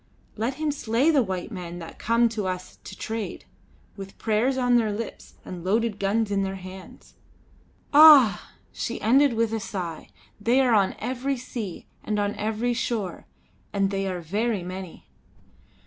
Let him slay the white men that come to us to trade, with prayers on their lips and loaded guns in their hands. Ah!" she ended with a sigh "they are on every sea, and on every shore; and they are very many!"